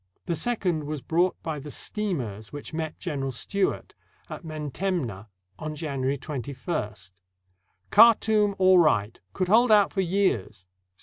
The second was brought by the steamers which met General Stewart at Mentemneh on January 21st: "Khartoum all right; could hold out for years.